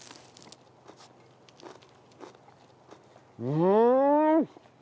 うん！